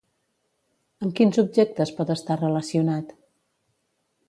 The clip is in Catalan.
Amb quins objectes pot estar relacionat?